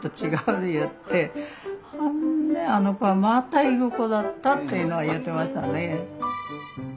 言ってほんねあの子はまた行く子だった」っていうのは言ってましたね。